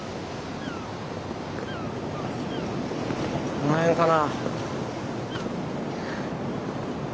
この辺かな。